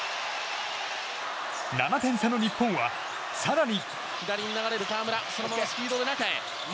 ７点差の日本は、更に。